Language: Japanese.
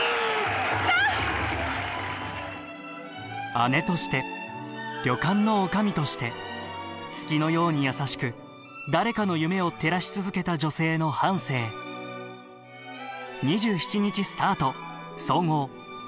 姉として旅館の女将として月のように優しく誰かの夢を照らし続けた女性の半生連続テレビ小説「純ちゃんの応援歌」。